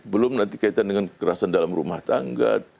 belum nanti kaitan dengan kekerasan dalam rumah tangga